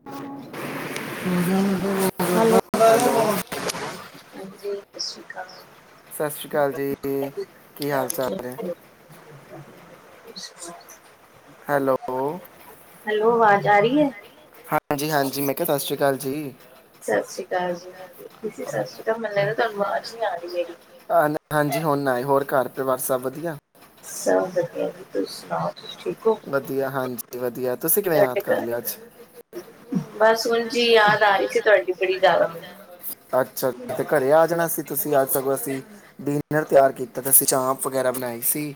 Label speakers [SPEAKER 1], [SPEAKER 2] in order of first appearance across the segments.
[SPEAKER 1] [unintelligible]
[SPEAKER 2] Hello
[SPEAKER 1] ਹਾਂਜੀ ਸਤਿ ਸ਼੍ਰੀ ਕਾਲ।
[SPEAKER 2] ਸਾਸ ਸ਼੍ਰੀ ਕਾਲ ਜੀ ਈਈ
[SPEAKER 1] [unintelligible]
[SPEAKER 2] ਹੈਲੋ ਓ
[SPEAKER 1] ਹੈਲੋ, ਆਵਾਜ਼ ਆ ਰੀ ਐ?
[SPEAKER 2] ਹਾਂਜੀ-ਹਾਂਜੀ ਮੈਂ ਕਿਆ ਸਾਸਰੀ ਕਾਲ ਜੀ।
[SPEAKER 1] ਸਸ ਰੀ ਕਾਲ ਜੀ, ਮੈਂ ਕਿਆ ਸਸ ਰੀ ਕਾਲ, ਮੈਨੂੰ ਲੱਗਦਾ ਤੁਆਨੂੰ ਵਾਜ਼ ਨੀ ਆ ਰਈ ਹੈਗੀ।
[SPEAKER 2] ਹਾਂਜੀ, ਹੁਨ ਆਏ ਹੋਰ ਘਰ ਪਰਿਵਾਰ ਸਬ ਵਦੀਆ।
[SPEAKER 1] ਸਬ ਵਦੀਆ ਜੀ, ਤੁਸੀਂ ਸੁਨਾਓ ਤੁਸੀਂ ਠੀਕ ਹੋ
[SPEAKER 2] ਵਦੀਆ ਹਾਂਜੀ ਵਦੀਆ, ਤੁਸੀਂ ਕਿਵੇਂ
[SPEAKER 1] ਤੁਹਾਡੇ
[SPEAKER 2] ਯਾਦ
[SPEAKER 1] ਘਰ
[SPEAKER 2] ਕਰ ਲੇਆ ਅੱਜ।
[SPEAKER 1] ਬਸ ਉਂਜ ਈ ਯਾਦ ਆ ਰਈ ਸੀ ਤੁਆਡੀ ਬੜੀ ਜਾਦਾ ਮੈਨੂੰ।
[SPEAKER 2] ਅੱਛਾ ਤੇ ਘਰੇ ਆ ਜਾਨਾ ਸੀ ਤੁਸੀਂ ਅੱਜ ਸਗੋਂ ਅਸੀਂ ਡਿਨਰ ਤਿਆਰ ਕੀਤਾ ਤੇ ਅਸੀ ਚਾਂਪ ਵਗੈਰਾ ਬਨਾਈ ਸੀ।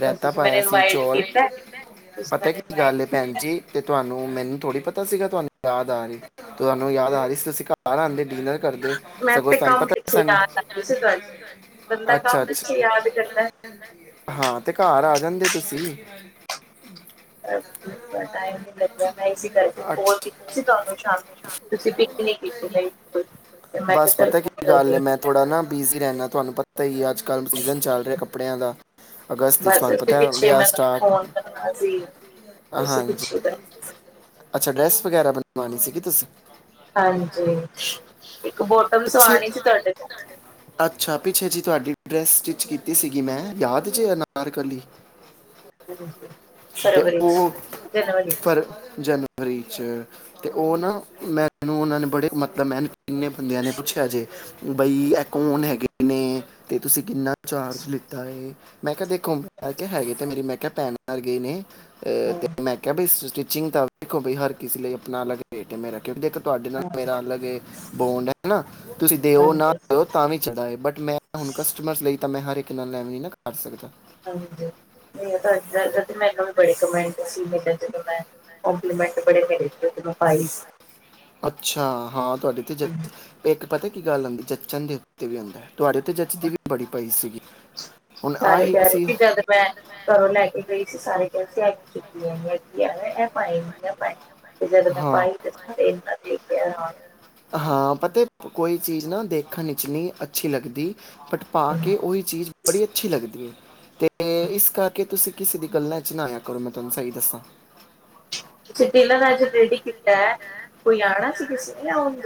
[SPEAKER 2] ਰੈਤਾ
[SPEAKER 1] ਤੁਸੀਂ ਮੈਨੂੰ
[SPEAKER 2] ਪਾਇਆ ਸੀ
[SPEAKER 1] ਇਨਵਾਈਟ
[SPEAKER 2] ਚੌਲ,
[SPEAKER 1] ਕੀਤਾ ਤੁਸੀਂ
[SPEAKER 2] ਪਤਾ
[SPEAKER 1] ਮੈਨੂੰ
[SPEAKER 2] ਕੀ
[SPEAKER 1] ਇਨਵਾਈਟ
[SPEAKER 2] ਗੱਲ ਏ
[SPEAKER 1] ਕੀਤਾ।
[SPEAKER 2] ਭੈਨ ਜੀ ਤੇ ਤੁਆਨੂੰ ਮੈਨੂੰ ਥੋੜੀ ਪਤਾ ਸੀਗਾ ਤੁਆਨੂੰ ਯਾਦ ਆ ਰਈ, ਤੁਆਨੂੰ ਯਾਦ ਆ ਰਈ ਸੀ ਤੁਸੀਂ ਘਰ ਆਂਦੇ ਡਿਨਰ ਕਰਦੇ
[SPEAKER 1] ਮੈਂ
[SPEAKER 2] ਸਗੋਂ
[SPEAKER 1] ਤੇ
[SPEAKER 2] ਸਾਨੂੰ
[SPEAKER 1] ਕੰਮ
[SPEAKER 2] ਪਤਾ
[SPEAKER 1] ਪਿੱਛੇ
[SPEAKER 2] ਸਾਨੂੰ,
[SPEAKER 1] ਯਾਦ ਆ ਰਹੀ ਸੀ ਤੁਹਾਡੀ ਬੰਦਾ ਕੰਮ
[SPEAKER 2] ਅੱਛਾ-ਅੱਛਾ।
[SPEAKER 1] ਪਿੱਛੇ ਯਾਦ ਕਰਦਾ
[SPEAKER 2] ਹਾਂ, ਤੇ ਘਰ ਆ ਜਾਂਦੇ ਤੁਸੀਂ।
[SPEAKER 1] [unintelligible] ਟਾਈਮ ਨੀ ਲੱਗੇਆ ਮੈਂ ਇਸੀ ਕਰਕੇ
[SPEAKER 2] ਅੱਛ-
[SPEAKER 1] ਕੋਲ ਕੀਤੀ ਸੀ ਤੁਆਨੂੰ। ਸ਼ਾਮ ਨੂੰ ਤੁਸੀਂ ਪਿਕ ਨੀ ਕੀਤੀ ਮੇਰੀ ਕੋਲ, ਮੈਂ ਕਿਆ
[SPEAKER 2] ਬਸ
[SPEAKER 1] ਚੱਲ
[SPEAKER 2] ਪਤਾ ਕੀ
[SPEAKER 1] ਹੁਨ
[SPEAKER 2] ਗੱਲ
[SPEAKER 1] ਕਰਦੀ
[SPEAKER 2] ਹੈ
[SPEAKER 1] ਆਂ।
[SPEAKER 2] ਮੈਂ ਥੋੜਾ ਨਾ ਬਿਜ਼ੀ ਰੈਨਾ ਤੁਆਨੂੰ ਪਤਾ ਈ ਐ ਅੱਜ-ਕੱਲ ਸੀਜ਼ਨ ਚੱਲ ਰਿਆ ਕੱਪੜੇਆਂ ਦਾ। ਅਗਸਤ ਵਿੱਚ
[SPEAKER 1] ਬਸ
[SPEAKER 2] ਤੁਹਾਨੂੰ
[SPEAKER 1] ਉਸੇ
[SPEAKER 2] ਪਤਾ ਹੈ
[SPEAKER 1] ਪਿੱਛੇ
[SPEAKER 2] ਵਿਆਹ
[SPEAKER 1] ਮੈਂ
[SPEAKER 2] ਸਟਾਰਟ
[SPEAKER 1] ਫੋਨ ਕਰਨਾ ਸੀ, ਉਸੀ
[SPEAKER 2] ਹਾਂਜੀ
[SPEAKER 1] ਪਿੱਛੇ ਬਸ
[SPEAKER 2] ਅੱਛਾ ਡਰੈਸ ਵਗੈਰਾ ਬਨਵਾਨੀ ਸੀਗੀ ਤੁਸੀਂ।
[SPEAKER 1] ਹਾਂਜੀ, ਇੱਕ ਬੋਟਮ
[SPEAKER 2] ਪਿੱਛੇ
[SPEAKER 1] ਸਵਾਨੀ ਸੀ ਤੁਆਡੇ ਤੋਂ।
[SPEAKER 2] ਅੱਛਾ ਪਿੱਛੇ ਜੀ ਤੁਆਡੀ ਡਰੈਸ ਸਟਿਚ ਕੀਤੀ ਸੀਗੀ ਮੈਂ ਯਾਦ ਜੇ ਅਨਾਰਕਲੀ
[SPEAKER 1] ਹਾਂਜੀ।
[SPEAKER 2] ਤੇ
[SPEAKER 1] ਫਰਵਰੀ ਚ
[SPEAKER 2] ਓ
[SPEAKER 1] ਜਨਵਰੀ ਚ
[SPEAKER 2] ਪਰ ਜਨਵਰੀ ਚ ਤੇ ਓ ਨਾ ਮੈਨੂੰ ਓਨਾਂ ਨੇ ਬੜੇ ਮਤਲਬ ਮੇਹਨ ਕਿੰਨੇ ਬੰਦੇਆਂ ਨੇ ਪੁੱਛੇਆ ਜੇ, ਬਈ ਐ ਕੌਨ ਹੈਗੇ ਨੇ ਤੇ ਤੁਸੀਂ ਕਿੰਨਾ ਚਾਰਜ ਲਿੱਤਾ ਏ ਮੈਂ ਕਿਆ ਦੇਖੋ ਹੈਗੇ ਤੇ ਮੇਰੀ ਮੈਂ ਕਿਆ ਭੈਨ ਵਰਗੇ ਈ ਨੇ। ਅ
[SPEAKER 1] ਹਾਂ
[SPEAKER 2] ਤੇ ਮੈਂ ਕਿਆ ਵੀ ਸਟੀਚਿੰਗ ਤਾਂ ਵੇਖੋ ਵੀ ਹਰ ਕਿਸੇ ਲਈ ਆਪਨਾ ਅਲਗ ਰੇਟ ਮੇਰਾ ਕਿਓਂਕਿ ਦੇਖੋ ਤੁਆਡੇ ਨਾਲ
[SPEAKER 1] ਹਾਂ
[SPEAKER 2] ਮੇਰਾ ਅਲਗ ਏ ਬੋਂਡ ਏ ਨਾ ਤੁਸੀਂ ਦੇਓ ਨਾ
[SPEAKER 1] ਹਾਂਜੀ
[SPEAKER 2] ਦੇਓ ਤਾਂ ਵੀ ਚੜਾ ਏ ਬਟ ਮੈਂ ਹੁਨ ਕਸਟਮਰਸ ਲਈ ਤਾਂ ਮੈਂ ਹਰ ਇਕ ਨਾਲ ਐਂ ਨਈਂ ਕਰ ਸਕਦਾ।
[SPEAKER 1] ਹਾਂਜੀ, ਤੁਆਡੇ ਮੈਨੂੰ ਵੀ ਬੜੇ ਕਮੈਂਟ ਸੀ ਮੈਂ ਕਿਆ ਜਦੋਂ ਮੈਂ ਕੰਪਲੀਮੈਂਟ ਬੜੇ ਮਿਲੇ ਜਦੋਂ ਮੈਂ ਪਾਏ ਸੀ।
[SPEAKER 2] ਅੱਛਾ ਹਾਂ, ਤੁਆਡੇ ਤੇ ਜੇ ਇੱਕ ਪਤਾ ਕੀ ਗੱਲ ਹੁੰਦੀ ਜੱਚਨ ਦੇ ਉੱਤੇ ਵੀ ਹੁੰਦਾ। ਤੁਆਡੇ ਤੇ ਜੱਚਦੀ ਵੀ ਬੜੀ ਪਈ ਸੀਗੀ, ਹੁਨ
[SPEAKER 1] ਸਾਰੇ
[SPEAKER 2] ਆਹੀ
[SPEAKER 1] ਕਹਿ ਰਹੇ
[SPEAKER 2] ਕਿਸੇ
[SPEAKER 1] ਸੀ ਜਦ ਮੈਂ ਘਰੋਂ ਲੈ ਕੇ ਗਈ ਸੀ ਸਾਰੇ ਕੈ ਸੀ ਅੱਤ ਚੁੱਕੀ ਐ ਕੀ ਯਾਰ ਐ ਪਾਏ ਐ ਪਾਏ। ਤੇ ਜਦ ਮੈਂ
[SPEAKER 2] ਹਾਂ
[SPEAKER 1] ਪਾਈ ਤੇ ਸਾਰੇ ਏਨਾ ਦੇਖ ਕੇ ਹਰਾਨ
[SPEAKER 2] ਹਾਂ, ਪਤਾ ਕੋਈ ਚੀਜ਼ ਨਾ ਦੇਖਨ ਵਿਚ ਨਈਂ ਅੱਛੀ ਲੱਗਦੀ। ਬਟ ਪਾ ਕੇ, ਓਈ ਚੀਜ਼ ਬੜੀ ਅੱਛੀ ਲੱਗਦੀ ਐ ਤੇ ਤੇ ਇਸ ਕਰਕੇ ਤੁਸੀਂ ਕਿਸੇ ਦੀ ਗੱਲਾਂ ਚ ਨਾ ਆਏਆ ਕਰੋ ਮੈਂ ਤੁਆਨੂੰ ਸਈ ਦੱਸਾਂ।
[SPEAKER 1] ਅੱਛੇ ਡਿਨਰ ਅੱਜ ਰੈਡੀ ਕੀਤਾ ਐ, ਕੋਈ ਆਨਾ ਸੀ ਕਿਸੇ ਨੇ ਜਾਂ ਉਂਜ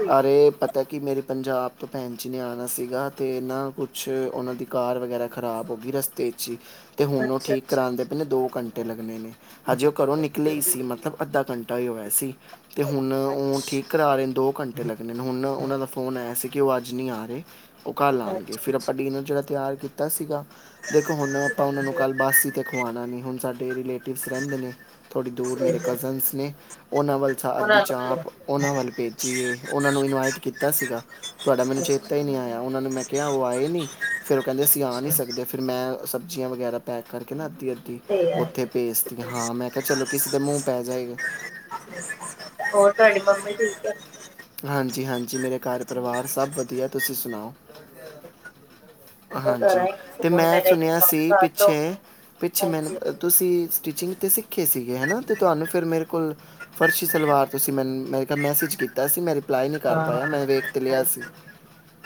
[SPEAKER 2] ਪਤਾ ਕੀ ਮੇਰੇ ਪੰਜਾਬ ਤੋਂ ਭੈਨ ਜੀ ਨੇ ਆਨਾ ਸੀਗਾ ਤੇ ਨਾ ਕੁਛ ਓਨਾਂ ਦੀ ਕਾਰ ਵਗੈਰਾ ਖ਼ਰਾਬ ਹੋਗੀ ਰਸਤੇ ਵਿੱਚ ਈ। ਤੇ ਹੁਨ ਓ
[SPEAKER 1] ਅੱਛਾ
[SPEAKER 2] ਠੀਕ
[SPEAKER 1] ਅੱਛਾ
[SPEAKER 2] ਕਰਾਂਦੇ ਪਏ ਨੇ ਦੋ ਘੰਟੇ ਲੱਗਨੇ, ਹਜੇ ਓ ਘਰੋਂ ਨਿਕਲੇ ਈ ਸੀ ਮਤਲਬ ਅੱਦਾ ਘੰ ਘੰਟਾ ਈ ਹੋਏਆ ਸੀ, ਤੇ ਹੁਨ ਓ ਠੀਕ
[SPEAKER 1] ਅੱਛਾ
[SPEAKER 2] ਕਰਾ ਰਏ ਨੇ ਦੋ ਘੰ ਘੰਟੇ ਲੱਗਨੇ ਨੇ ਹੁਨ ਓਨਾਂ ਦਾ ਫੋਨ ਆਏਆ ਸੀ ਕੇ ਓ ਅੱਜ ਨੀ ਆ ਰਏ। ਓ ਕੱਲ
[SPEAKER 1] ਅੱਛਾ
[SPEAKER 2] ਆਨਗੇ ਫਿਰ ਆਪਾਂ ਡਿਨਰ ਜੇੜਾ ਤਿਆਰ ਕੀਤਾ ਸੀਗਾ ਦੇਖੋ ਹੁਨ ਆਪਾਂ ਓਨਾਂ ਨੂੰ ਕੱਲ ਬੱਸ ਤੇ ਖਵਾਨਾ ਨਈਂ ਹੁਨ ਸਾਡੇ ਰਿਲੇਟਿਵਸ ਰੈਂਦੇ ਨੇ, ਥੋੜੀ ਦੂਰ
[SPEAKER 1] ਸਹੀ
[SPEAKER 2] ਮੇਰੇ
[SPEAKER 1] ਹੈ
[SPEAKER 2] ਕਜ਼ਨਸ ਨੇ ਓਨਾਂ ਵੱਲ
[SPEAKER 1] ਉਹਨਾਂ
[SPEAKER 2] ਅੱਦੀ
[SPEAKER 1] ਨੂੰ ਕਿਹਾ,
[SPEAKER 2] ਚਾਂਪ ਓਨਾਂ ਵੱਲ ਭੇਜੀ ਏ ਓਨਾਂ ਨੂੰ ਇਨਵਾਈਟ ਕੀਤਾ ਸੀਗਾ। ਤੁਆਡਾ ਮੈਨੂੰ ਚੇਤਾ ਈ ਨੀਂ ਆਏਆ। ਓਨਾਂ ਨੂੰ ਮੈਂ ਕੇਆ ਓ ਆਏ ਨੀ? ਫੇਰ ਓ ਕੈਂਦੇ ਅਸੀਂ ਆ ਨੀਂ
[SPEAKER 1] ਅੱਛਾ
[SPEAKER 2] ਸਕਦੇ, ਫੇਰ ਮੈਂ ਸਬਜੀਆਂ ਵਗੈਰਾ ਪੈਕ ਕਰਕੇ ਨਾ, ਅੱਧੀ-ਅੱਧੀ
[SPEAKER 1] ਤੇ ਹੈ
[SPEAKER 2] ਓਥੇ ਭੇਜ ਤੀ, ਹਾਂ ਮੈਂ ਕੇਆ, ਚਲੋ ਕਿਸੇ ਦੇ ਮੂੰਹ ਪੈ ਜਾਏਗਾ।
[SPEAKER 1] ਹੋਰ, ਤੁਆਡੀ ਮੰਮੀ ਠੀਕ ਐ?
[SPEAKER 2] ਹਾਂਜੀ-ਹਾਂਜੀ, ਮੇਰੇ ਘਾਰ ਪਰਵਾਰ ਸਬ ਵਦੀਆ, ਤੁਸੀ ਸੁਨਾਓ?
[SPEAKER 1] ਮੈਂ ਕਿਹਾ ਕਰਾਂ
[SPEAKER 2] ਹਾਂਜੀ,
[SPEAKER 1] ਇੱਕ
[SPEAKER 2] ਤੇ
[SPEAKER 1] ਫੋਨ
[SPEAKER 2] ਮੈਂ
[SPEAKER 1] ਮੇਰਾ ਇੱਕ
[SPEAKER 2] ਸੁਨੇਆ
[SPEAKER 1] ਕੰਮ
[SPEAKER 2] ਸੀ
[SPEAKER 1] ਕਰ ਦੋ
[SPEAKER 2] ਪਿੱਛੇ, ਪਿੱਛੇ ਮੈਨੂੰ
[SPEAKER 1] ਹਾਂਜੀ
[SPEAKER 2] ਤੁਸੀਂ ਸਟੀਚਿੰਗ ਤੇ ਸਿੱਖੇ ਸੀਗੇ ਹੈਨਾ, ਤੇ ਤੁਆਨੂੰ ਫੇਰ ਮੇਰੇ ਕੋਲ ਫਰਸ਼ੀ ਸਲਵਾਰ, ਤੁਸੀਂ ਮੈਨੂੰ ਮੇਰੇ ਖੇਆ ਮੈਸੇਜ ਕੀਤਾ ਸੀ ਮੇਰੇ ਰਿਪਲਾਈ ਨੀ ਕਰ
[SPEAKER 1] ਹਾਂ
[SPEAKER 2] ਪਾਏਆ ਮੈਂ ਵੇਖ ਤੇ
[SPEAKER 1] ਹਾਂ
[SPEAKER 2] ਲੇਆ ਸੀ,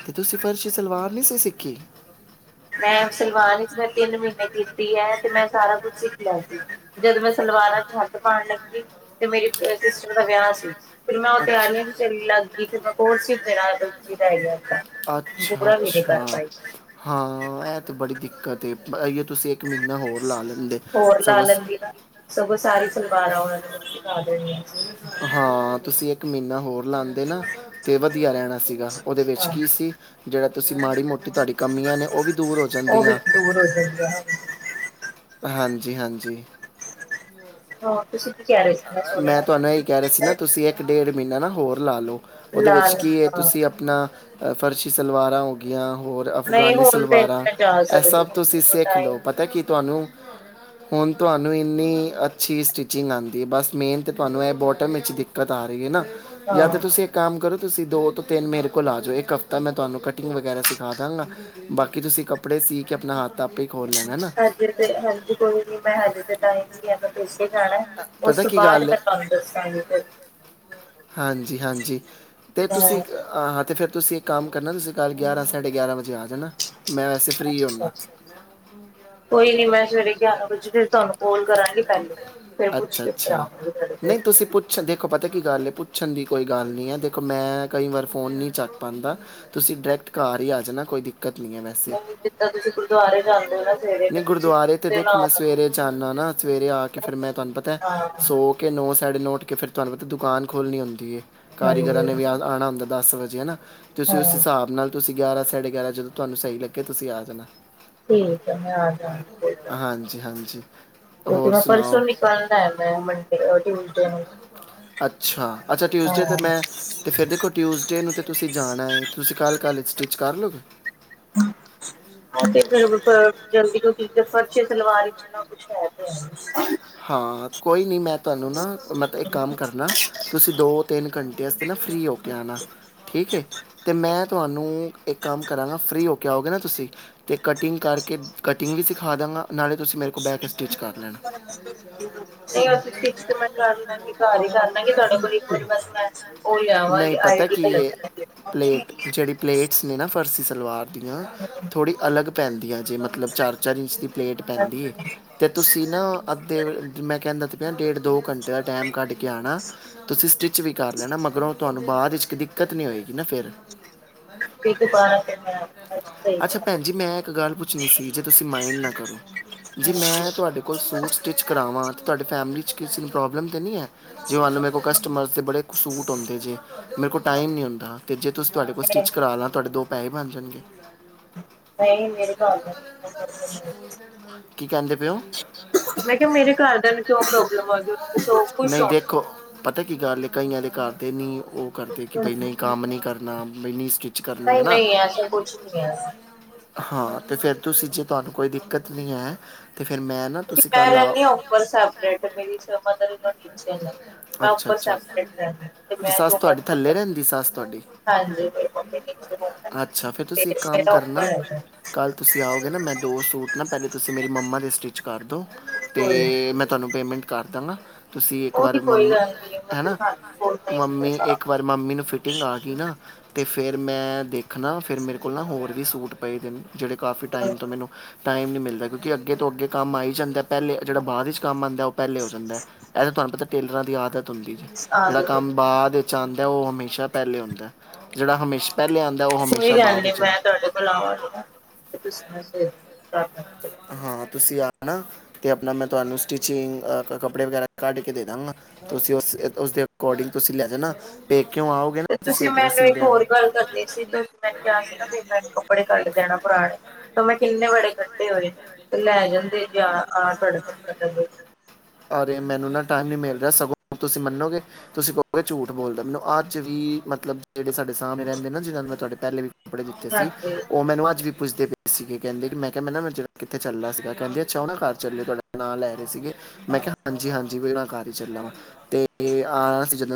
[SPEAKER 2] ਤੇ ਤੁਸੀਂ ਫਰਸ਼ੀ ਸਲਵਾਰ ਨੀ ਸੀ ਸਿੱਖੀ?
[SPEAKER 1] ਮੈਂ ਸਲਵਾਨ ਵਿਚ ਮੈਂ ਤਿੰਨ ਮੀਨੇ ਕੀਤੀ ਐ ਤੇ ਮੈਂ ਸਾਰਾ ਕੁਛ ਸਿੱਖ ਲੇਆ ਸੀ। ਜਦ ਮੈਂ ਸਲਵਾਰਾਂ ਚ ਹਾਥ ਪਾਣ ਲੱਗੀ ਤੇ, ਮੇਰੀ ਸਿਸਟਰ ਦਾ ਵੇਆ ਸੀ। ਫੇਰ ਮੈਂ ਓ ਤੇਆਰੀਆਂ
[SPEAKER 2] ਅੱਛਾ
[SPEAKER 1] ਚ ਲੱਗ ਗੀ ਫੇਰ ਮੈਂ ਕੋਰਸ ਕੀ ਕਰਾਂ ਵਿੱਚ ਈ ਰੈਹ ਗੇਆ।
[SPEAKER 2] ਅੱਛਾ
[SPEAKER 1] ਪੂਰਾ ਵੀ ਨੀਂ ਕਰ
[SPEAKER 2] ਅੱਛਾ
[SPEAKER 1] ਪਾਈ।
[SPEAKER 2] ਹਾਂ, ਏ ਤੇ ਬੜੀ ਦਿੱਕਤ ਏ ਏਇਓ ਤੁਸੀਂ ਏਕ ਮਿਨਾ ਹੋਰ ਲਾ ਲੈਂਦੇ
[SPEAKER 1] ਹੋਰ ਲਾ
[SPEAKER 2] ਸਗੋਂ
[SPEAKER 1] ਲੈਂਦੀ ਨਾ। ਸਗੋਂ, ਸਾਰੀ ਸਲਵਾਰਾਂ ਓਨਾਂ ਨੇ ਮੇਨੂੰ ਸਿਖਾ ਦੇਨੀਆਂ ਸੀ।
[SPEAKER 2] ਹਾਂ, ਤੁਸੀਂ ਇੱਕ ਮੀਨ੍ਹਾ ਹੋਰ ਲਾਂਦੇ ਨਾ ਤੇ ਵਦੀਆ ਰੈਣਾ ਸੀਗਾ। ਓਦੇ ਵਿੱਚ
[SPEAKER 1] ਹਾਂ
[SPEAKER 2] ਕੀ ਸੀ, ਜੇੜਾ ਤੁਸੀਂ ਮਾੜੀ ਮੋਟੀ ਤੁਆਡੀ ਕਮੀਆਂ ਨੇ ਓ ਵੀ ਦੂਰ ਹੋ ਜਾਂਦੀਆਂ।
[SPEAKER 1] [unintelligible]
[SPEAKER 2] ਹਾਂਜੀ-ਹਾਂਜੀ।
[SPEAKER 1] ਹਾਂ, ਤੁਸੀਂ ਕਹਿ ਰਹੇ ਸੀ
[SPEAKER 2] ਮੈਂ
[SPEAKER 1] ਸੁਣਿਆ
[SPEAKER 2] ਤੁਆਨੂੰ ਏ ਈ ਕੇ ਰੇਆ ਸੀ ਨਾ, ਤੁਸੀਂ ਏਕ ਡੇਢ ਮਿਨਾ ਨਾ ਹੋਰ ਲਾ ਲਓ, ਓਦੇ ਵਿਚ
[SPEAKER 1] ਲਾਲ
[SPEAKER 2] ਕੀ ਏ
[SPEAKER 1] ਹਾਂ
[SPEAKER 2] ਤੁਸੀਂ ਅਪਨਾ ਫਰਸ਼ੀ ਸਲਵਾਰਾਂ ਹੋ ਗੀਆਂ ਹੋਰ।
[SPEAKER 1] ਨਹੀਂ
[SPEAKER 2] ਅਫਗਾਨੀ
[SPEAKER 1] ਹੁਣ ਤੇ
[SPEAKER 2] ਸਲਵਾਰਾਂ
[SPEAKER 1] ਮੈਂ ਜਾ
[SPEAKER 2] ਐ
[SPEAKER 1] ਸਕਦੀ
[SPEAKER 2] ਸਬ ਤੁਸੀਂ
[SPEAKER 1] ਹਾਂ।
[SPEAKER 2] ਸਿੱਖ
[SPEAKER 1] ਟਾਈਮ
[SPEAKER 2] ਲੋ ਪਤਾ ਕੀ ਤੁਆਨੂੰ ਹੁਨ ਤੁਆਨੂੰ ਇੰਨੀ ਅੱਛੀ ਸਟੀਚਿੰਗ ਆਂਦੀ ਬਸ ਮੇਨ ਤੇ ਤੁਆਨੂੰ ਐ ਬੋਟਮ ਵਿਚ ਦਿੱਕਤ ਆ ਰੀ ਏ ਨਾ, ਯਾ ਤੇ
[SPEAKER 1] ਹਾਂ
[SPEAKER 2] ਤੁਸੀ ਕੰਮ ਕਰੋ, ਤੁਸੀ ਦੋ ਤੋਂ ਤਿੰਨ ਮੇਰੇ ਕੋਲ ਆ ਜੋ ਏਕ ਹਫਤਾ ਮੈਂ ਤੁਆਨੂੰ ਕਟਿੰਗ ਵਗੈਰਾ ਸਿਖਾ ਦਾਂਗਾ। ਬਾਕੀ ਤੁਸੀ ਕੱਪੜੇ ਸੀ ਕੇ, ਅਪਨਾ ਹਾਥ ਆਪੇ ਈ ਖੋਲ ਲੈਨਾ ਹੈਨਾ।
[SPEAKER 1] ਹਜੇ ਤੇ ਹਾਂਜੀ ਕੋਈ ਨੀ ਮੈਂ ਹਜੇ ਤੇ ਟਾਈਮ ਨੀਂ ਹੈਗਾ [inaudible] ਜਾਣਾ ਓਸ
[SPEAKER 2] ਪਤਾ
[SPEAKER 1] ਤੋਂ
[SPEAKER 2] ਕੀ
[SPEAKER 1] ਬਾਦ ਮੈਂ ਤੁਆਨੂੰ ਦੱਸਾਂਗੀ ਫੇਰ।
[SPEAKER 2] ਹਾਂਜੀ-ਹਾਂਜੀ, ਤੇ
[SPEAKER 1] ਹਾਂ
[SPEAKER 2] ਤੁਸੀ ਅ ਹਾਂ, ਤੇ ਫੇਰ ਤੁਸੀਂ ਇੱਕ ਕੰਮ ਕਰਨਾ ਤੁਸੀ ਕੱਲ ਗਿਆਰਾਂ ਸਾਢੇ ਗਿਆਰਾਂ ਵਜੇ ਆ ਜਾਨਾ, ਮੈਂ ਵੈਸੇ ਫਰੀ
[SPEAKER 1] ਅੱਛਾ
[SPEAKER 2] ਹੋਨਾ। [inaudible]
[SPEAKER 1] ਕੋਈ ਨੀਂ ਮੈਂ ਸਵੇਰੇ ਗਿਆਰਾਂ ਵਜੇ ਫੇਰ ਤੁਆਨੂੰ ਕੋੱਲ ਕਰਾਂਗੀ ਪੈਲੇ।
[SPEAKER 2] ਅੱਛਾ-ਅੱਛਾ, ਨਈ ਤੁਸੀ ਪੁੱ ਪੁੱਛ, ਦੇਖੋ ਪਤਾ ਕੀ ਗੱਲ ਏ ਪੁੱਛਨ ਦੀ ਕੋਈ ਗੱਲ ਨੀ ਐ ਦੇਖੋ ਮੈਂ ਕਈ ਵਾਰ ਫੋਨ ਨੀਂ ਚੱਕ ਪਾਂਦਾ। ਤੁਸੀ ਡਰੈਕਟ ਘਾਰ ਈ ਆ ਜਾਨਾ ਕੋਈ ਦਿੱਕਤ ਨੀ ਐ ਮੈਂ
[SPEAKER 1] ਨਹੀਂ ਜਿੱਦਾਂ ਤੁਸੀਂ ਗੁਰਦੁਆਰੇ ਜਾਂਦੇ ਹੋ ਨਾ ਸਵੇਰੇ
[SPEAKER 2] ਨਈਂ
[SPEAKER 1] ਫਿਰ ਤੁਸੀਂ
[SPEAKER 2] ਗੁਰਦੁਆਰੇ ਤੇ
[SPEAKER 1] ਨਾ
[SPEAKER 2] ਦੇਖੋ ਮੈਂ ਸਵੇਰੇ ਜਾਂਨਾ ਨਾ ਸਵੇਰੇ ਆ ਕੇ ਫੇਰ ਮੈਂ ਤੁਆਨੂੰ ਪਤੈ
[SPEAKER 1] ਹਾਂ
[SPEAKER 2] ਸੌ ਕੇ ਨੌਂ, ਸਾਢੇ ਨੌਂ ਉੱਠ ਕੇ ਫੇਰ ਤੁਆਨੂੰ ਪਤਾ ਦੁਕਾਨ ਖੋਲਨੀ ਹੋਂਦੀ ਏ ਕਾਰੀਗਰਾਂ
[SPEAKER 1] ਹਾਂਜੀ
[SPEAKER 2] ਨੇ ਵੀ ਆ ਆਣਾ ਹੁੰਦਾ ਦਸ ਵਜੇ ਹੈਨਾ ਤੇ ਓਸ
[SPEAKER 1] ਹਾਂ
[SPEAKER 2] ਹਿਸਾਬ ਨਾਲ ਤੁਸੀਂ ਗਿਆਰਾਂ, ਸਾਢੇ ਗਿਆਰਾਂ ਜਦੋਂ ਤੁਆਨੂੰ ਸਈ ਲੱਗੇ ਤੁਸੀਂ ਆ ਜਾਨਾ।
[SPEAKER 1] ਠੀਕ ਹੈ ਮੈਂ ਆ ਜਾਵਾਂਗੀ ਕੋਈ ਗੱਲ ਨੀ
[SPEAKER 2] ਹਾਂਜੀ-ਹਾਂਜੀ।
[SPEAKER 1] ਕਿਉਂਕਿ ਮੈੈਂ, ਪਰਸੋਂ ਨਿਕਲਨੈ ਮੈਂ ਮੰਡੇ ਅ ਟਿਊਸਡੇ ਨੂੰ।
[SPEAKER 2] ਅੱਛਾ, ਅੱਛਾ ਟਿਊਸਡੇ ਤੇ
[SPEAKER 1] ਹਾਂ
[SPEAKER 2] ਮੈਂ, ਤੇ ਫੇਰ ਦੇਖੋ ਟਿਊਸ ਡੇ ਨੂੰ ਤੇ ਤੁਸੀਂ ਜਾਨਾ ਏ, ਤੁਸੀਂ ਕੱਲ੍ਹ ਕੱਲ੍ਹ ਏਚ ਸਟਿੱਚ ਕਰ ਲੋਗੇ।
[SPEAKER 1] ਉਹ ਤੇ ਫਿਰ ਜਲਦੀ ਸਇਚ ਫਰਜ਼ੀ ਸਲਵਾਰ ਵਿਚ ਕਛ ਹੇ ਤੇ ਐ।
[SPEAKER 2] ਹਾਂ ਕੋਈ ਨੀ ਮੈਂ। ਤੁਆਨੂੰ ਨਾ ਮਤਲਬ ਏਕ ਕੰਮ ਕਰਨਾ, ਤੁਸੀਂ ਦੋ- ਤਿੰਨ ਘੰਟੇ ਵਾਸਤੇ ਨਾ ਫ੍ਰੀ ਹੋ ਕੇ ਆਣਾ। ਠੀਕ ਏ ਤੇ ਮੈਂ ਤੁਆਨੂੰ। ਏਕ ਕੰਮ ਕਰਾਂਗਾ, ਫਰੀ ਹੋ ਕੇ ਆਓਗੇ ਨਾ ਤੁਸੀਂ ਤੇ ਕਟਿੰਗ ਕਰਕੇ, ਕਟਿੰਗ ਵੀ ਸਿਖਾ ਦਾਂਗਾ। ਨਾਲੇ ਤੁਸੀਂ ਮੇਰੇ ਕੋਲ ਬਹਿ ਸਟਿੱਚ ਕਰ ਲੈਣਾ।
[SPEAKER 1] ਨਹੀਂ ਸਇਚ ਤੇ ਮੈਂ ਕਰ ਲਾਂਗਰੀ, ਘਰ ਈ ਕਰ ਲਾਂਗੇ ਤੁਹਾਡੇ ਕੋਲ ਬਸ ਮੈਂ ਉਹ
[SPEAKER 2] ਨਹੀਂ
[SPEAKER 1] ਆਵਾਂਗੇ ਆਈ
[SPEAKER 2] ਪਤਾ
[SPEAKER 1] [inaudible]
[SPEAKER 2] ਕੀ ਇਹ ਪਲੇਟ ਜਿਹੜੀ ਪਲੇਟਸ ਨੇ ਨਾ ਫਰਸੀ ਸਲਵਾਰ ਦੀਆਂ
[SPEAKER 1] ਅਆ
[SPEAKER 2] ਥੋੜ੍ਹੀ ਅਲੱਗ ਪੈਂਦੀਆ ਜੇ ਮਤਲਬ ਚਾਰ- ਚਾਰ ਇੰਚ ਦੀ ਪਲੇਟ ਪੈਂਦੀ ਐ ਅਤੇ ਤੁਸੀਂ ਨਾ ਅੱਧੇ ਮੈਂ ਕਹਿੰਦਾ ਪਿਆ, ਡੇਢ- ਦੋ ਘੰਟੇ ਦਾ ਟਾਈਮ ਕੱਢ ਕੇ ਆਣਾ। ਤੁਸੀਂ ਸਟਿੱਚ ਵੀ ਕਰ ਲੈਣਾ, ਮਗਰੋਂ ਤੁਹਾਨੂੰ ਬਾਅਦ ਵਿੱਚ ਦਿੱਕਤ ਨ ਹੋਏਗੀ ਨਾ ਫਿਰ
[SPEAKER 1] ਤੇ ਦੁਬਾਰਾ ਫਿਰ
[SPEAKER 2] ਮ
[SPEAKER 1] ਮੈਂ ਅੱਛਾ ਸਹੀ
[SPEAKER 2] ਅੱਛਾ
[SPEAKER 1] ਕਰ
[SPEAKER 2] ਭੈਣ ਜੀ ਮੈਂ ਇੱਕ ਗੱਲ ਪੁੱਛਣੀ ਸੀ ਜੇ ਤੁਸੀਂ ਮਾਇੰਡ ਨਾ ਕਰੋ। ਜੇ ਮੈਂ ਤੁਹਾਡੇ ਕੋਲ ਸੂਟ ਸਟਿਚ ਕਰਾਵਾਂ ਤਾਂ ਤੁਹਾਡੀ ਫੈਮਿਲੀ 'ਚ ਕਿਸੇ ਨੂੰ ਪ੍ਰੋਬਲਮ ਤਾਂ ਨਹੀਂ ਐ। ਜੇ ਮੰਨ ਲ ਮੇਰੇ ਕੋਲ ਕਸਟਮਰ ਬੜੇ ਸੂਟ ਹੁੰਦੇ ਜੇ, ਮੇਰੇ ਕੋਲ ਟਾਈਮ ਨੀ ਹੁੰਦਾ ਤੇ ਜੇ ਤੁਸੀਂ ਤੁਹਾਡੇ ਕੋਲ ਸਟਿਚ ਕਰਾਲਾ, ਤੁਹਾਡੇ ਦੋ ਪੈਸੇ ਬਣ ਜਾਣਗੇ।
[SPEAKER 1] ਨਹੀਂ ਮੇਰੇ ਘਰ ਦੇ
[SPEAKER 2] ਕੀ ਕਹਿੰਦੇ ਪਏਓ।
[SPEAKER 1] ਮੈਂ ਕਿਹਾ ਮੇਰੇ ਘਰ ਦਿਆਂ ਨੂੰ ਕਿਉਂ ਪ੍ਰੋਬਲਮ ਆ ਗਈ ਸੋ ਖੁਸ਼
[SPEAKER 2] ਨਹੀਂ
[SPEAKER 1] ਹੋਣ
[SPEAKER 2] ਦੇਖੋ। ਪਤਾ ਕੀ ਗੱਲ ਏ ਕਈਆਂ ਦੇ ਘਰਦੇ ਨੀ ਉਹ ਕਰਦੇ ਕਿ ਬਈ ਨਹੀਂ ਕੰਮ ਨਈ ਕਰਨਾ। ਕਰਨੇ ਹੈ
[SPEAKER 1] ਨਹੀਂ
[SPEAKER 2] ਨਾ
[SPEAKER 1] -ਨਹੀਂ ਐਸੇ ਕੁਛ ਨਹੀਂ ਐ।
[SPEAKER 2] ਹਾਂ ਤੇ ਫੇਰ ਤੁਸੀਂ ਜੇ ਤੁਹਾਨੂੰ ਕੋਈ ਦਿੱਕਤ ਨੀ ਐ ਤੇ ਫੇਿਰ ਮੈਂ ਨਾ ਤੁਸੀਂ
[SPEAKER 1] ਮੇ
[SPEAKER 2] ਕੱਲ ਆਓ
[SPEAKER 1] ਰੈਨੀ ਆ ਉਪਰ ਸੈਪਰੇਟ ਮੇਰੀ ਮਦਰ ਇਨ ਲੋ ਟੀਚਰ ਆ। ਮੈਂ
[SPEAKER 2] ਅੱਛਾ
[SPEAKER 1] ਉੱਪਰ
[SPEAKER 2] ਅੱਛਾ
[SPEAKER 1] ਸੈਪਰੇਟ ਰਹਿੰਦੀ ਹ ਤੇ ਮੈਂ
[SPEAKER 2] ਸੱਸ
[SPEAKER 1] ਜੋ
[SPEAKER 2] ਤੁਹਾਡੀ
[SPEAKER 1] ਮਰਜੀ
[SPEAKER 2] ਥੱਲੇ
[SPEAKER 1] ਕਰਾ।
[SPEAKER 2] ਰਹਿੰਦੀ ਸੱਸ ਤੁਹਾਡੀ
[SPEAKER 1] ਹਾਂਜੀੇ [inaudible]
[SPEAKER 2] ਕੱਲ੍ਹ ਤੁਸੀਂ ਆਓਗੇ ਨਾ ਮੈਂ ਦੋ ਸੂਟ ਨਾ ਪਹਿਲੇ ਤੁਸੀਂ ਮੇਰੀ ਮੰਮਾ ਦੇ ਸਟਿਚ ਕਰ ਦਿਉ।
[SPEAKER 1] ਕੋਈ
[SPEAKER 2] ਤੇ ਮੈਂ ਤੁਹਾਨੂੰ ਪੇਮੈਂਟ ਕਰ ਦਾਂਗਾ। ਤੁਸੀਂ ਇੱਕ
[SPEAKER 1] ਉਹਦੀ
[SPEAKER 2] ਵਾਰ
[SPEAKER 1] ਕੋਈ
[SPEAKER 2] ਮੰਮੀ
[SPEAKER 1] ਗੱਲ ਨੀ
[SPEAKER 2] ਐ ਨਾ
[SPEAKER 1] ਮਤਲਬ ਹੱਥ ਬੋਲਣਾ ਹੀ ਹੁੰਦਾ
[SPEAKER 2] ਮੰਮੀ ਇੱਕ ਵਾਰ ਤੇ ਮੰਮੀ ਨੂੰ ਫਿਟਿੰਗ ਆ ਗਈ ਨਾ ਤੇ ਫਿਰ ਮੈਂ ਦੇਖਣਾ ਫਿਰ ਮੇਰੇ ਕੋਲ ਨਾ ਹੋਰ ਵੀ ਸੂਟ ਪਾਈ ਦੇ ਨੇ ਜਿਹੜੇ ਕਾਫੀ ਟਾਈਮ ਤੋਂ
[SPEAKER 1] ਸਾਫ਼
[SPEAKER 2] ਮੈਨੂੰ ਟਾਈਮ ਨਹੀਂ ਮਿਲਦਾ, ਕਿਉਂਕਿ ਅੱਗੇ ਤੋਂ ਅੱਗੇ ਕੰਮ ਆ ਈ ਜਾਂਦਾ। ਪਹਿਲੇ ਜਿਹੜਾ ਬਾਅਦ ਵਿੱਚ ਕੰਮ ਆਂਦਾ ਉਹ ਪਹਿਲੇ ਹੋ ਜਾਂਦਾ, ਇਹ ਤਾਂ ਤੁਹਾਨੂੰ ਪਤਾ ਟੇਲਰਾਂ ਦੀ ਆਦਤ ਜਿਹੜਾ
[SPEAKER 1] ਆਦਤ
[SPEAKER 2] ਕੰਮ ਬਾਅਦ ਵਿੱਚ ਆਂਦਾ ਉਹ ਹਮੇਸ਼ਾ ਪਹਿਲੇ ਹੁੰਦਾ, ਜਿਹੜਾ ਹਮੇਸ਼ਾ ਪਹਿਲਾਂ ਆਂਦਾ ਉਹ ਹਮੇਸ਼ਾ
[SPEAKER 1] ਕੋਈ ਗੱਲ
[SPEAKER 2] ਬਅਦ
[SPEAKER 1] ਨੀ
[SPEAKER 2] ' ਆਦਾ
[SPEAKER 1] [unintelligible]
[SPEAKER 2] ਹਾਂ ਤੁਸੀਂ ਆ ਨਾ ਤੇ ਆਪਣਾ ਮੈਂ ਤੁਹਾਨੂੰ ਸਟਿਚਿੰਗ ਕੱਪੜੇ ਵਗੈਰਾ ਕੱਢ ਕੇ ਦੇ ਦਾਂਗਾ। ਤੁਸੀਂ ਉਸ ਉਸਦੇ ਅਕੋਰਡਿੰਗ ਤੁਸੀਂ ਲੈ ਜਾਣਾ ਪੇ ਕਿਉਂ ਆਉ।
[SPEAKER 1] ਤੇ ਤੁਸੀਂ ਮੈਨੂੰ ਇੱਕ ਹੋਰ ਗੱਲ ਕਰਨੀ ਸੀ ਤੇ ਮੈਨ ਕਿਹਾ ਸੀ ਨਾ ਮ ਕੱਪੜੇ ਕੱਢ ਦੇਣਾ ਪੁਰਾਣੇ ਤੇ ਮੈਂ ਕਿੰਨੇ ਵੜੇ ਕੱ ੇ ਹੋਏ ਤੇ ਲੈ ਜਾਂਦੇ ਜ ਆ ਤੁਹਾਡਾ
[SPEAKER 2] ਔਰ ਇਹ ਮੈਨੂੰ ਟਾਈਮ ਨਹੀਂ ਮਿਲ ਰਿਹਾ, ਸਗੋਂ ਤੁਸੀਂ ਮੰਨੋਗੇ। ਤੁਸੀਂ ਕਹੋਗੇ ਝੂਠ ਬੋਲਦਾ, ਮੈਨੂੰ ਅੱਜ ਵੀ ਮਤਲਬ ਜਿਹੜੇ ਸਾਡੇ ਸਾਹਣੇ ਰਹਿੰਦੇ ਨਾ ਜਿਹਨਾਂ ਨੂੰ ਮੈਂ ਤੁਹਾਡੇ ਪਹਿਲੇ ਵੀ ਕੱਪੜੇ ਦਿੱਤੇ ਸੀ,
[SPEAKER 1] ਹਾਂਜੀ
[SPEAKER 2] ਉਹ ਮੈਨੂੰ ਅੱਜ ਵੀ ਪੁੱਛਦੇ ਪਏ ਸੀਗੇ ਕਹਿੰਦੇ ਕਿ ਮੈਂ ਕਿਹਾ ਮੈ ਨਾ ਮ ਕਿੱਥੇ ਚੱਲਣਾ ਸੀਗਾ ਕਹਿੰਦੇ ਅਛਾ ਉਹ ਨਾ ਕਾਰ ਚੱਲੇ ਤੁਹਾਡੇ ਨਾਂ ਲੈ ਰਹੇ ਸੀਗੇ ਮੈਂ ਕਿਹਾ ਹਾਂਜੀ- ਹਾਂਜੀ। ਜਿਵੇ ਦਾ ਘਰ ਚਲਾਂ ਵਾ, ਤੇ ਇਹ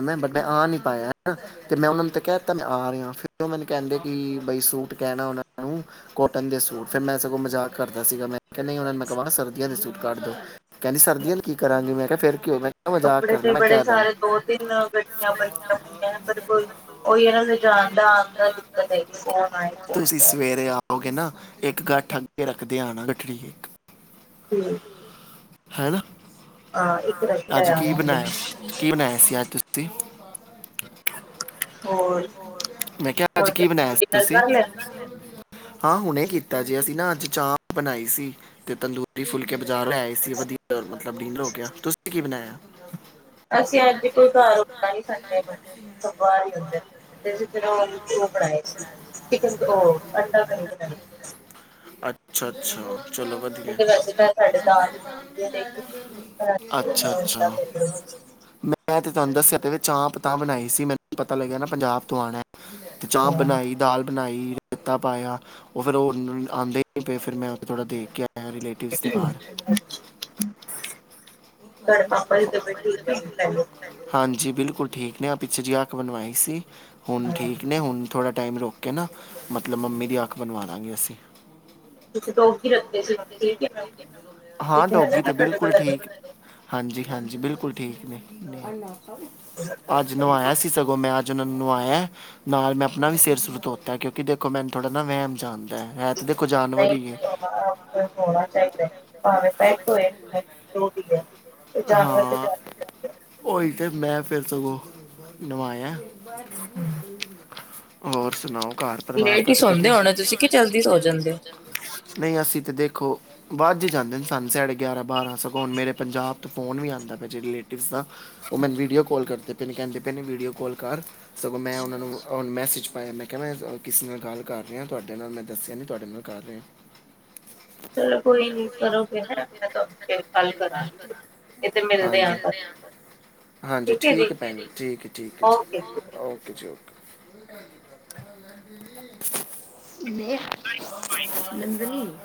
[SPEAKER 2] ਮੈਂ ਆ ਨਹੀਂ ਪਾਇਆ। ਤੇ ਮੈਂ ਉਹਨਾਂ ਨੂੰ ਤਾਂ ਕਹਿ ਦਿੱਤਾ ਮੈਂ ਆ ਰਿਹਾ, ਫੇਰ ਉਹ ਮੈਨੂੰ ਕਹਿੰਦੇ ਕਿ ਬਈ ਸੂਟ ਕਹਿਣਾ ਉਹਨਾਂ ਨੂੰ। ਕੋਟਨ ਦੇ ਸੂਟ, ਫਿਰ ਮੈਂ ਸਗੋਂ ਮਜ਼ਾਕ ਕਰਦਾ ਸੀਗਾ, ਮੈਂ ਕਿਹਾ ਉਹ ਨੂੰ ਮੈਂ ਕਵਾਂ ਸਰਦੀਆਂ ਦੇ ਸੂਟ ਕੱਢ ਦੋ। ਕਹਿੰਦੀ ਸਰਦੀਆਂ ਕੀ ਕਰਾਂਗੇ, ਮੈਂ ਕਿਹਾ ਫਿਰ ਕੀ ਹੋ ਮੈਂ ਕਿਹਾ ਮਜ਼ਾਕ
[SPEAKER 1] ਕਪੜੇ
[SPEAKER 2] ਕਰਨਾ
[SPEAKER 1] ਤੇ
[SPEAKER 2] ਮੈਂ
[SPEAKER 1] ਬੜੇ
[SPEAKER 2] ਕਹਿ ਦਾਂ
[SPEAKER 1] ਸਾਰੇ ਦੋ-ਤਿੰਨ ਗੱਠੀਆਂ ਭਰੀਆ ਹੋਈਆਂ, ਮੇਰੇ ਕੋਲ। ਉਹੀਆਂ ਨਾ ਲੈਜਾਣ ਦਾ ਆਂਦਾ ਕੋਂਨ ਆਏ ਹੋਨ ਜਾਏ।
[SPEAKER 2] ਹੋਗੇ ਨਾ ਇੱਕ ਗੱਠ ਰੱਖਦੇ ਆਣਾ ਗਠੜੀ ਏਕ।
[SPEAKER 1] ਹੂੰ।
[SPEAKER 2] ਹੈਨਾ,
[SPEAKER 1] ਇੱਕ ਰਸਤਾ
[SPEAKER 2] ਅੱਜ ਕੀ
[SPEAKER 1] ਆ
[SPEAKER 2] ਬਣਾਇਆ? ਕੀ ਬਣਾਇਆ ਸੀ ਅੱਜ ਤੁਸੀਂ?
[SPEAKER 1] ਹੋਰ
[SPEAKER 2] ਮੈਂ ਕਿਹਾ,
[SPEAKER 1] ਹੋਰ
[SPEAKER 2] ਅੱਜ ਕੀ ਬਣਾਇਆ ਸੀ
[SPEAKER 1] ਡਿਨਰ
[SPEAKER 2] ਤੁਸੀਂ?
[SPEAKER 1] ਕਰ ਲਿਆ
[SPEAKER 2] ਹਾਂ, ਹੁਣੇ ਕੀਤਾ ਜੇ ਅਸੀਂ ਨਾ ਅੱਜ ਚਾਂਪ ਬਣਾਈ ਸੀ, ਤੇ ਤੰਦੂਰੀ ਫੁਲਕੇ ਬਾਜ਼ਾਰੋ ਲੈ ਆਏ ਸੀ। ਵਧੀਆ ਮਤਲਬ ਡਿਨਰ ਹੋ ਗਿਆ, ਤੁਸੀਂ ਕੀ ਬਣਾਇਆ?
[SPEAKER 1] ਅਸੀਂ ਅੱਜ ਦੀ ਕੋਈ ਘਰ ਹੁੰਦਾ ਨੀ ਸੰਡੇ ਨੂੰ। ਸਭ ਬਾਹਰ ਹੁੰਦੇ ਨੇ, ਤੇ ਫਿਰ ਉਹ ਬਣਾਏ ਸੀ। ਚਿਕਨ ਓ ਅੰਡਾ ਕਰੀ ਬਨਾਈ ਸੀ।
[SPEAKER 2] ਅੱਛਾ- ਅੱਛਾ ਚਲੋ ਵਧੀਆ।
[SPEAKER 1] ਤੇ ਵੈਸੇ ਤਾਂ ਸਾਡੇ ਦਾਲ ਹੀ ਹੁੰਦੀ ਹੈ ਹਾਂ
[SPEAKER 2] ਅੱਛਾ- ਅੱਛਾ। ਮੈਂ ਤੇ ਤੁਹਾਨੂੰ ਦੱਸਿਆ ਤੇ ਵੈ ਚਾਪ ਤਾਂ ਬਣਾਈ ਸੀ ਮੈਨੂੰ ਪਤਾ ਲੱਗਿਆ ਨਾ ਪੰਜਾਬ ਤੋਂ ਆਣਾ। ਚਾਂਪ ਬਣਾਈ ਦਾਲ ਬਣਾਈ, ਰਾਇਤਾ ਪਾਇਆ, ਉਹ ਫਿਰ ਉਹ ਆਂਦੇ ਨੀ ਪਏ ਫਿਰ, ਮੈਂ ਉ ਥੋੜਾ ਦੇਖ ਕੇ ਏਨੀ ਲੇਟ [unintelligible]
[SPEAKER 1] ਤੁਹਾਡਾ ਪਾਪਾ ਜੀ ਤਾਂ ਬਿਲਕੁਲ ਬੇਤ ਹੈਗੇ।
[SPEAKER 2] ਹਾਂਜੀ, ਬਿਲਕੁਲ ਠੀਕ ਨੇ, ਆ ਪਿੱਛੇ ਜਿਹੀ ਅੱਖ ਬਣਵਾਈ ਸੀ। ਹੁਣ ਠੀਕ ਨੇ, ਹੁਣ ਥੋੜ੍ਹਾ ਟਾਈਮ ਰੁਕ ਕੇ ਨਾ ਮੱਤਲਬ ਮੰਮੀ ਦੀ ਅੱਖ ਬਣਵਾ ਦਵਾਂਗੇ ਅਸੀਂ।
[SPEAKER 1] ਤੁਸੀਂ ਡੋਗ ਹੀ ਰੱਖਦੇ ਸੀ ਹੁਣ ਠੀਕ ਹੈ ਮੈਮ
[SPEAKER 2] ਹਾਂ,
[SPEAKER 1] ਇੱਥੇ ਹੈਗਾ
[SPEAKER 2] ਡੋਗੀ
[SPEAKER 1] ਨਾ
[SPEAKER 2] ਤੇ
[SPEAKER 1] ਤੁਹਾਡੇ
[SPEAKER 2] ਬਿਲਕੁਲ
[SPEAKER 1] ਕੋਲ ਹਜੇ
[SPEAKER 2] ਠੀਕ। ਹਾਂਜੀ- ਹਾਂਜੀ ਬਿਲਕੁੱਲ ਠੀਕ ਨੇ। ਅੱਜ ਨਵਾਇਆ ਸੀ ਸਗੋਂ ਮੈਂ ਅੱਜ। ਨਵਾਇਆ ਨਾਲ ਮੈਂ ਆਪਣਾ ਵੀ ਸਿਰ- ਸੁਰ ਧੋਤਾ ਹੈ, ਕਿਉਂਕਿ ਦੇਖੋ ਮੈਨੂੰ ਥੋੜਾ ਨਾ ਵਹਿਮ ਜਿਹਾ ਆਂਦਾ ਹੈ। ਦੇਖੋ ਜਾਨਵਰ ਈ ਏ।
[SPEAKER 1] ਹੋਣਾ ਚਾਹੀਦਾ ਹੈ, ਭਾਵੇਂ ਪੈਟ ਹੋਏ ਚਾਹੇ ਜੋ ਵੀ ਹੈ। ਜਾਨਵਰ ਤੇ ਜਾਨਵਰ
[SPEAKER 2] ਓਹੀ ਤੇ, ਮੈਂ ਫਿਰ ਸਗੌ ਨਵਾਇਆ। ਹੋਰ ਸੁਣਾਓ, ਘਰ ਪਰਿਵਾਰ
[SPEAKER 1] ਲੇਟ ਹੀ
[SPEAKER 2] ਤੁਹਾਡੇ
[SPEAKER 1] ਸੌਦੇ
[SPEAKER 2] ਵਧੀਆ?
[SPEAKER 1] ਹੋਣੇ ਤੁਸੀਂ ਕਿ
[SPEAKER 2] ਚਿਕੀ
[SPEAKER 1] ਸੋ
[SPEAKER 2] ਜਲਦੀ
[SPEAKER 1] ਜਾਂਦੇ
[SPEAKER 2] ਸੌ
[SPEAKER 1] ਹੋ
[SPEAKER 2] ਜਾਂਨੇ ਦੇ। ਨਹੀਂ ਅਸੀਂ ਤਾਂ ਦੇਖੋ ਬਜ ਈ ਜਾਂਦੇ ਨੇ ਸਾਨੂੰ ਸਾਢੇ ਗਿਆਰਾਂ-ਬਾਰਾਂ, ਸਗੋਂ ਹਣ ਮੇਰੇ ਪੰਜਾਬ ਫੋਨ ਵੀ ਆਂਦਾ ਪਾਇਆ ਵਿੱਚ ਹੀ ਰਿਲੇਟਿਵ ਦਾ, ਉਹ ਮੈਨ ਵੀਡਿਓ ਕੋਲ ਕਰਦੇ ਪਏ ਨੇ, ਕਹਿੰਦੇ ਪਏ ਨੇ ਵੀਡਿਓ ਕੋਲ ਕਰ। ਸਗੋਂ ਮੈਂ ਉਹਨਾਂ ਨੂੰ ਮੈਸੇਜ ਪਾਇਆ, ਮੈਂ ਕਿਹਾ ਮੈਂ ਕਿਸੇ ਨਾਲ ਗੱਲ ਕਰ ਰਹੀ ਆਂ, ਤੁਹਾਡੇ ਨਾਲ ਮੈਂ ਦੱਸਿਆ ਨਹੀਂ ਤੁਹਾਡੇ ਨਾਲ ਕਰ ਰਹੀ ਆਂ।
[SPEAKER 1] ਚੱਲੋ ਕੋਈ ਨੀ ਕਰੋ ਗਏ ਨਾ, ਮੈਂ ਤੁਹਾਨੂੰ। ਫਿਰ ਕੱਲ ਕਰਾਂਗੀ। ਇਹ ਤੇ ਮਿਲਦੇ ਆ
[SPEAKER 2] ਹਾਂਜੀ।
[SPEAKER 1] ਕੱਲ
[SPEAKER 2] ਹਾਂਜੀ ਠੀਕ ਹੈ ਭੈਣ ਜੀ -ਠੀਕ ਹੈ ਠੀਕ- ਠੀਕ ਜੀ ਹੈ ਜੀ ਓਕੇ ਜੀ- ਓਕੇ। ਵੇਖ, ਨੰਦਨੀ